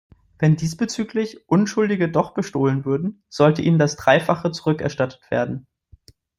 Wenn diesbezüglich Unschuldige doch bestohlen würden, sollte ihnen das Dreifache zurückerstattet werden.